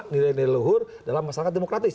nilai nilai luhur dalam masyarakat demokratis